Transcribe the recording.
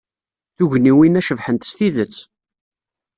Tugniwin-a cebḥent s tidet.